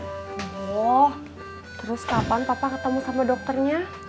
oh terus kapan papa ketemu sama dokternya